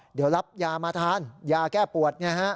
เดี๋ยวรับยามาทานยาแก้ปวด